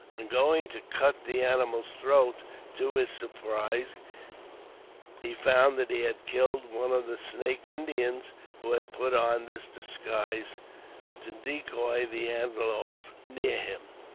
On going to cut the animal's throat, to his surprise he found he had killed one of the Snake Indians, who had put on this disguise to decoy the antelopes near him.